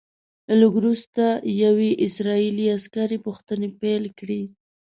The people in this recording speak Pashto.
لږ وروسته یوې اسرائیلي عسکرې پوښتنې پیل کړې.